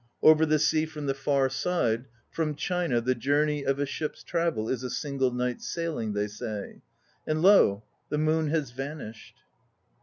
Over the sea from the far side, From China the journey of a ship's travel Is a single night's sailing, they say. And lo! the moon has vanished!